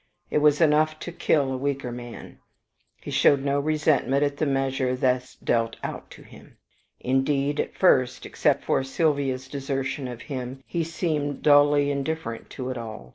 It was enough to kill a weaker man. "He showed no resentment at the measure thus dealt out to him. Indeed, at the first, except for Sylvia's desertion of him, he seemed dully indifferent to it all.